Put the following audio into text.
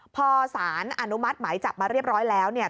พอสารอนุมัติหมายจับมาเรียบร้อยแล้วเนี่ย